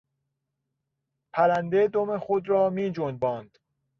پرنده دم خود را میجنباند.